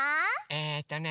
えっとね